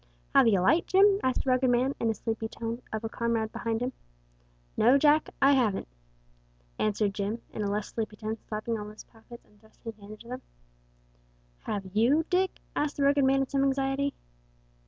"Have 'ee a light, Jim?" asked a rugged man, in a sleepy tone, of a comrade behind him. "No, Jack, I haven't" answered Jim, in a less sleepy tone, slapping all his pockets and thrusting his hands into them. "Have you, Dick?" asked the rugged man in some anxiety.